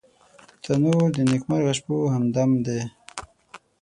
تنور د نیکمرغه شپو همدم دی